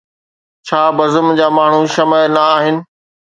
ڇا بزم جا ماڻهو شمع نه آهن؟